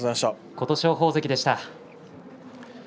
琴勝峰関でした。